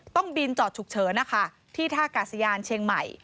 ต้องบินจอดฉุกเฉินนะคะที่ท่ากาศยานเชียงใหม่